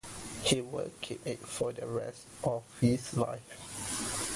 He would keep it for the rest of his life.